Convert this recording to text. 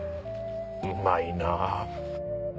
うまいなぁ。